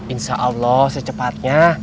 insya allah secepatnya